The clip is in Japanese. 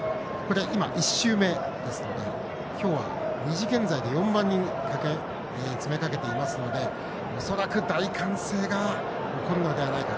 今、１周目ですので今日は２時現在で４万人詰めかけていますので恐らく、大歓声が起こるのではないか。